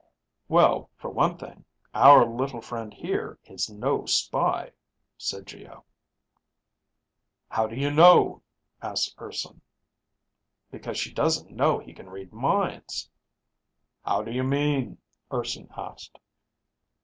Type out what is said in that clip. "Well, for one thing, our little friend here is no spy," said Geo. "How do you know?" asked Urson. "Because she doesn't know he can read minds." "How do you mean?" Urson asked.